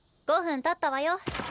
５分たったわよ。